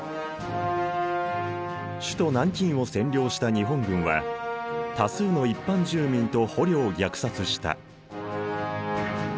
首都南京を占領した日本軍は多数の一般住民と捕虜を虐殺した。